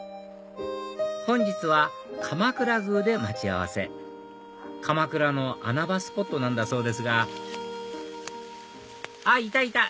本日は鎌倉宮で待ち合わせ鎌倉の穴場スポットなんだそうですがあっいたいた！